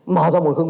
mở ra một gửi phần